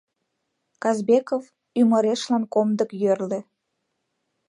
Казбеков ӱмырешлан комдык йӧрльӧ.